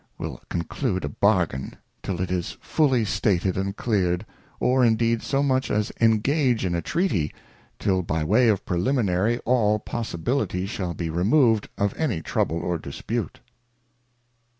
115 will conclude a Bargain, till it is fully stated and cleared, or indeed, so much as engage in a treaty, till by way of preliminary all possibility shall be remov'd of any trouble or dispute.